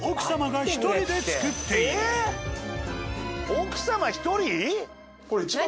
奥様１人？